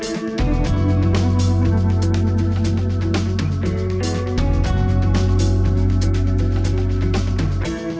terima kasih juga